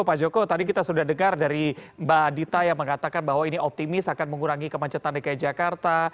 pak joko tadi kita sudah dengar dari mbak adita yang mengatakan bahwa ini optimis akan mengurangi kemacetan dki jakarta